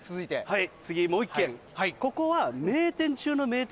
はい